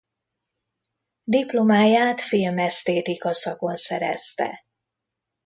Diplomáját filmesztétika szakon szerezte.